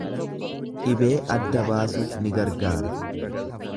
dhibee adda baasuuf ni gargaara.